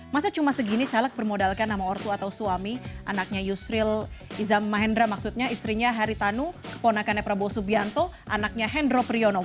masa cuma segini caleg bermodalkan nama ortu atau suami anaknya yusril izam mahendra maksudnya istrinya haritanu keponakannya prabowo subianto anaknya hendro priyono